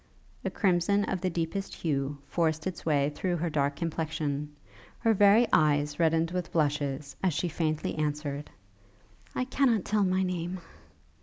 A crimson of the deepest hue forced its way through her dark complexion: her very eyes reddened with blushes, as she faintly answered, 'I cannot tell my name!'